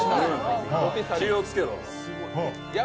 気をつけろ。